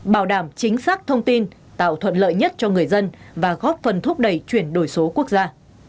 bảo đảm chính xác thông tin tạo thuận lợi nhất cho người dân và góp phần thúc đẩy chuyển đổi số quốc gia